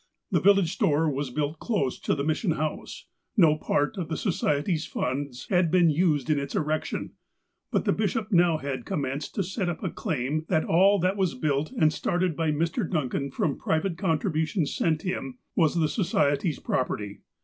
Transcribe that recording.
The village store was built close to the Mission House. No part of the Society's funds had been used in its erec tion. But the bishop now had commenced to set up a claim that all that was built and started by Mr. Duncan from private contributions sent him, was the Society's proj)erty.